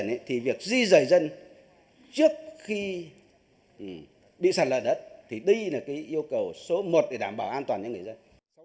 các nước phát triển thì việc di dời dân trước khi đi sạt lở đất thì đi là yêu cầu số một để đảm bảo an toàn cho người dân